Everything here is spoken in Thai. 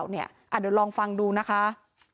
เดี๋ยวลองฟังดูนะคะ